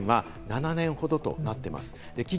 使用期限は７年ほどとなっています。